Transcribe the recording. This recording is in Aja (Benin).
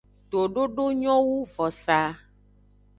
Tododo nyo wu vosaa.